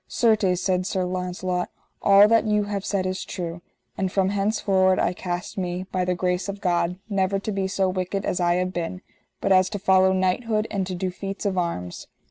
Certes, said Sir Launcelot, all that you have said is true, and from henceforward I cast me, by the grace of God, never to be so wicked as I have been, but as to follow knighthood and to do feats of arms.